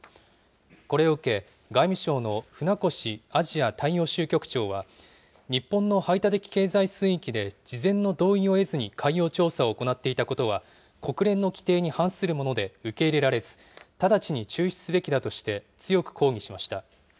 これを受け、外務省の船越アジア大洋州局長は、日本の排他的経済水域で事前の同意を得ずに海洋調査を行っていたことは、国連の規定に反するもので、受け入れられず、直ちに中止すべきだとして、強く抗議しました。